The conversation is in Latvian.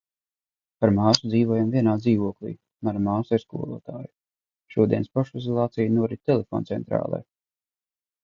Ar māsu dzīvojam vienā dzīvoklī. Mana māsa ir skolotāja. Šodienas pašizolācija norit telefoncentrālē...